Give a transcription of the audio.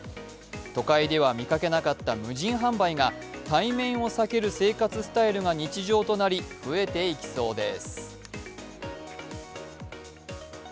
都会では見かけなかった無人販売が対面を避ける生活スタイルが日常となり、増えていきそうです。